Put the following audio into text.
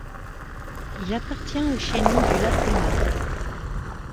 Il appartient au chaînon du Latemar.